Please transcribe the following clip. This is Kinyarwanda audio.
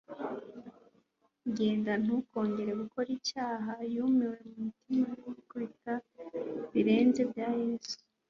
genda ntukongere gukora icyaha." Yumiwe mu mutima yikubita ku birenge bya Yesu,